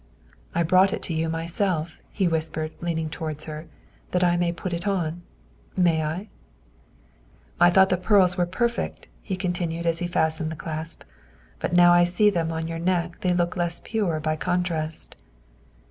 " I brought it to you myself," he whispered, leaning towards her, '' that I might put it on. May I ?" I thought the pearls were perfect," he continued as he fastened the clasp, " but now I see them on your neck they look less pure by contrast."